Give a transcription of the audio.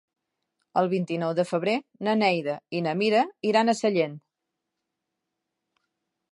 El vint-i-nou de febrer na Neida i na Mira iran a Sellent.